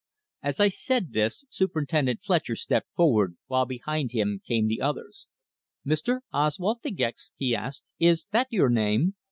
As I said this Superintendent Fletcher stepped forward, while behind him came the others. "Mr. Oswald De Gex?" he asked. "Is that your name?"